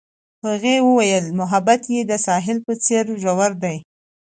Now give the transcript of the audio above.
هغې وویل محبت یې د ساحل په څېر ژور دی.